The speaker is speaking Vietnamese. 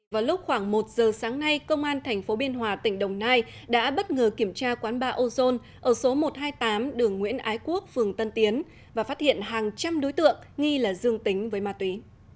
vào lúc khoảng một giờ sáng nay công an tp biên hòa tỉnh đồng nai đã bất ngờ kiểm tra quán ba ozone ở số một trăm hai mươi tám đường nguyễn ái quốc phường tân tiến và phát hiện hàng trăm đối tượng nghi là dương tính với ma túy